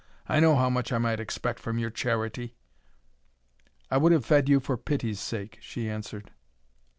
I know how much I might expect from your charity." "I would have fed you for pity's sake," she answered.